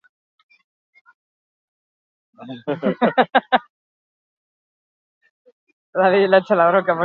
Partidako une batzuetan esnatu direlako eta aurkariek ere oparitxoak egin dizkietelako beste batzuetan.